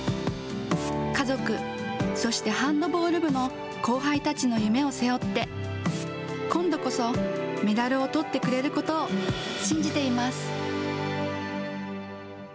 家族、そしてハンドボール部の後輩たちの夢を背負って、今度こそメダルをとってくれることを信じています。